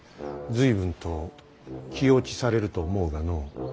随分と気落ちされると思うがのう。